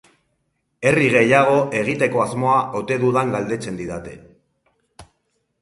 Herri gehiago egiteko asmoa ote dudan galdetzen didate.